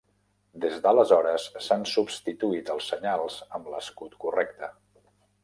Des d'aleshores s'han substituït els senyals amb l'escut correcte.